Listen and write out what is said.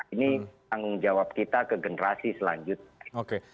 ini tanggung jawab kita ke generasi selanjutnya